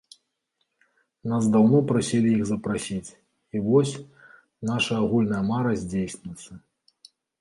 Нас даўно прасілі іх запрасіць, і вось, наша агульная мара здзейсніцца.